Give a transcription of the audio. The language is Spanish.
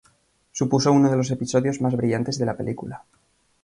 Supuso uno de los episodios más brillantes de la película.